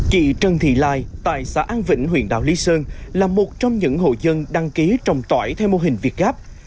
chị trần thị lai tại xã an vĩnh huyện đảo lý sơn là một trong những hộ dân đăng ký trồng tỏi theo mô hình việt gáp